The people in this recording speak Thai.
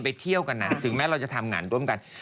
ไปเที่ยวกันถึงแม้เราจะทำงานร่วมกัน